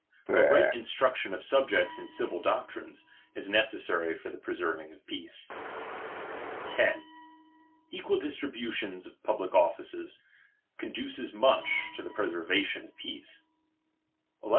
A right instruction of suhjecls in civil doctrines, is necessary for the preserving of peace. iO. Equal distribu tions of public oflicea conduces much to the preservation of peace. ] 1.